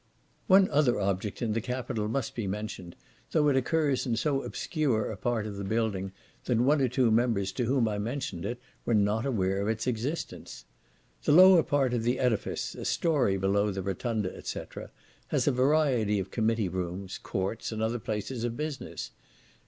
One other object in the capitol must be mentioned, though it occurs in so obscure a part of the building, that one or two members to whom I mentioned it, were not aware of its existence. The lower part of the edifice, a story below the rotunda, &c., has a variety of committee rooms, courts, and other places of business.